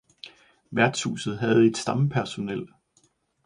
Værtshuset havde et stampersonel